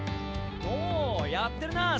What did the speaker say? おやってるなあ